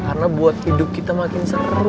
karena buat hidup kita makin seru